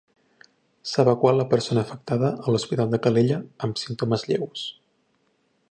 S'ha evacuat la persona afectada a l'Hospital de Calella, amb símptomes lleus.